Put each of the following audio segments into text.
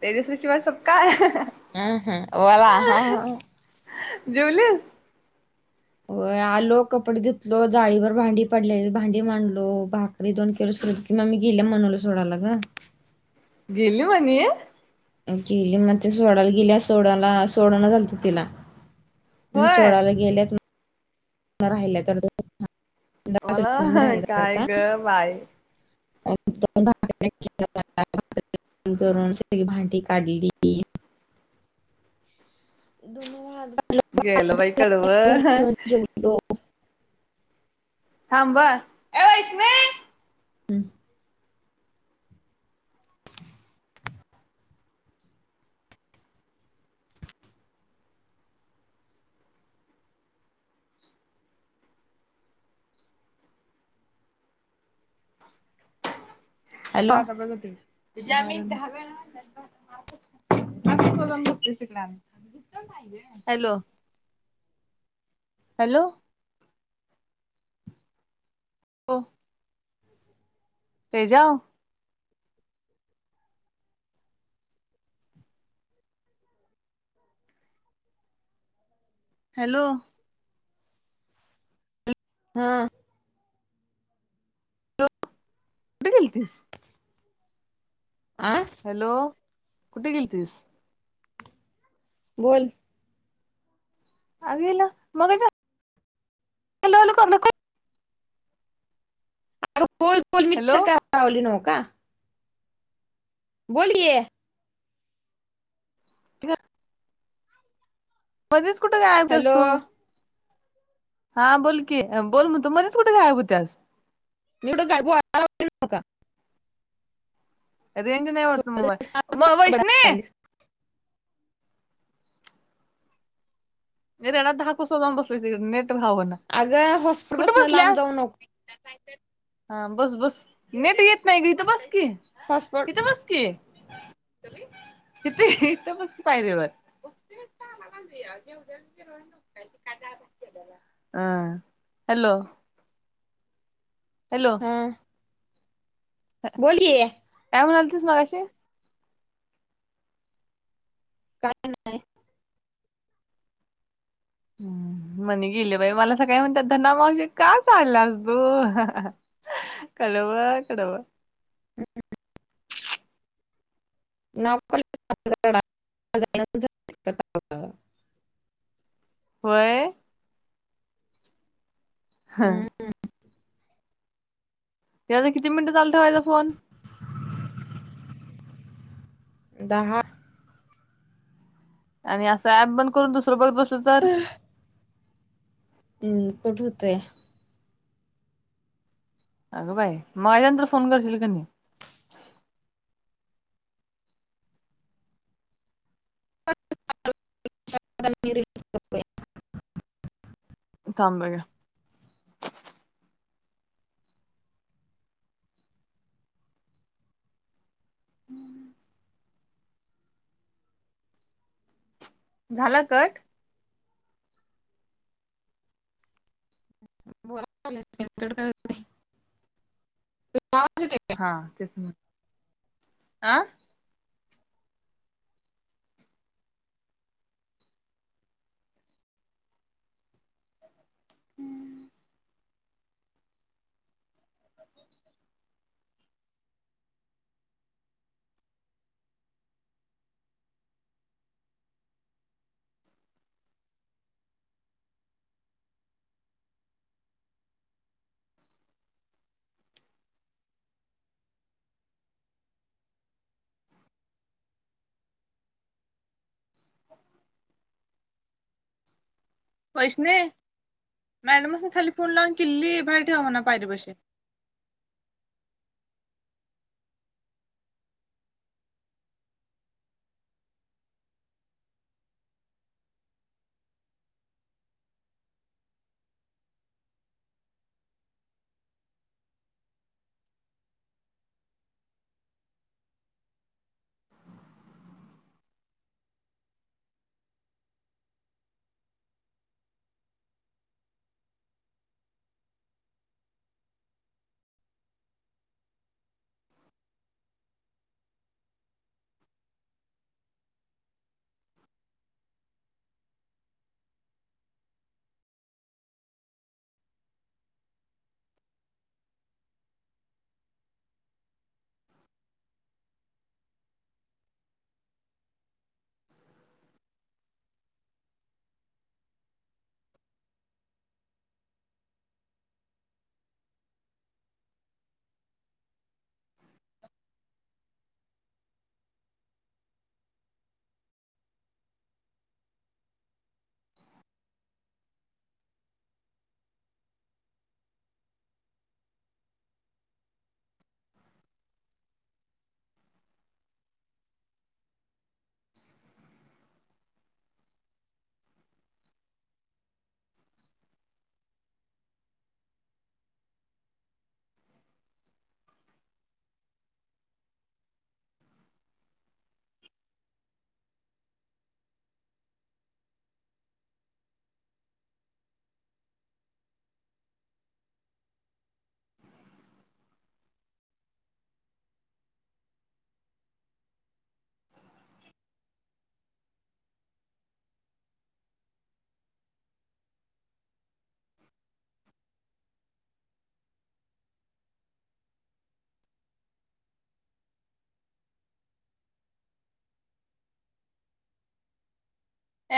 तेजस्वीची [unintelligible] काय हम्म हम्म बोला हाहाहा जेवलीस, आलो कपडे धुतलो, जाळीवर भांडी पडले भांडी मांडलो, भाकरी दोन केलो. [unintelligible] गेली म्हनल सोडाला ग. गेली [unintelligible] गेली मग ते सोडायला गेल्या सोडायला सोडण झालत तिला. म होय सोडला गेल्या [inaudible] [inaudible] वरून मला काय ग बाय सगळी भांडी काढली. दोन वाजता. गेल बाई कड व हा [inaudible] थांबा ए वैश्वय! हम हॅलो. जाता बघते. [unintelligible] हॅलो! हॅलो! हो. तेजव. हॅलो! हा. हॅलो कुठे गेलतीस? आ हॅलो, कुठे गेलतीस? बोल. अग हिला मगाच्या [inaudible] अग बोल बोल [inaudible] हॅलो नव का? बोलकी! [inaudible] मध्येच कुठे गायब होतेस हॅलो तू? हा, बोल की बोल म तू मध्येच कुठे गायब होत्यास? मी एवढं काय [inaudible] रेंज नाही वाटत मोबाईल म वैष्णे ते रेडा दहा कोसाव जाऊन बसलंय तिकडं ने घावना, अगं हॉस्पिटल कुठे पासून लांब बसल्यास? जाऊ नको ह बस! बस! नेट येत नाय ग, हितं बस की! हॉस्पिट हितं बस की! हितं व्हयं? हितं हितं बस की पायरीवर [inaudible] [inaudible] मी काल डाळ भात केलेला. हं हॅलो हॅलो! बोलकी. तस मगाशी. काय नाही. हम् मनी गेले बाई, मला सकाळी म्हणतात धना मावशी का चालल्यास तू? [inaudible] [inaudible] ना [unintelligible] [unintelligible] होय? ह ते आता किती मिनिटं चालू ठेवायचा फोन? दहा. आणि असं ॲप बंद करून दुसरं बघत बसलं तर? हम कट हुतंय. अगं बाई! माझ्यानंतर फोन करशील की नाही. [unintelligible] [inaudible] हम्म. झाला कट? [inaudible] हा तेच ना. अ [inaudible] [inaudible] वैष्णे मॅडमसनी खाली फोन लावून किल्ली ठेवा म्हणावं पायरीपाशी. [inaudible]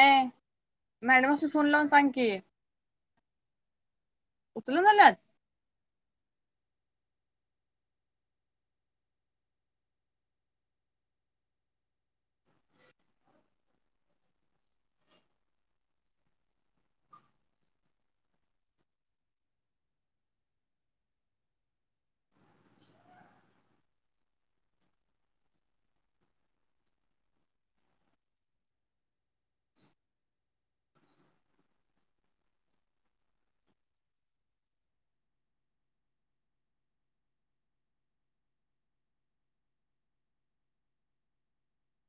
ए मॅडमासनि फोन लावून सांग की, उचलं [inaudible]